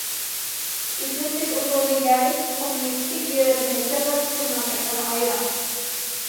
ئىشلىتىش ئۇسۇلى: يەرلىك تۇخۇمنى كىچىك يېرىنى چېقىپ، تۇخۇمنىڭ ئېقىنى ئايرىڭ.